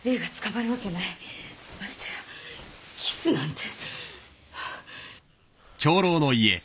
ましてやキスなんて。